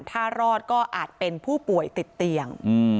ถ้ารอดก็อาจเป็นผู้ป่วยติดเตียง